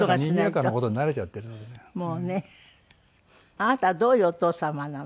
あなたはどういうお父様なの？